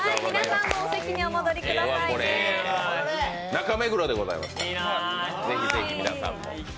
中目黒でございますからぜひぜひ、皆さんも。